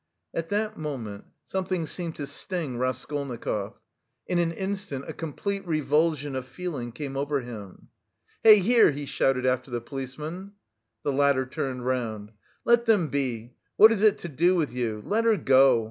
At that moment something seemed to sting Raskolnikov; in an instant a complete revulsion of feeling came over him. "Hey, here!" he shouted after the policeman. The latter turned round. "Let them be! What is it to do with you? Let her go!